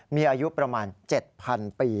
มีอายุประมาณ๗๐๐ปี